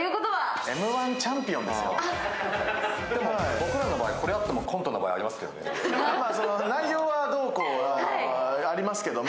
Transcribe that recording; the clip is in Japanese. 僕らの場合、マイクがあってもコントの場合ありますけどね。